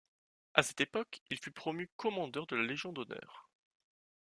À cette époque, il fut promu commandeur de la Légion d'honneur.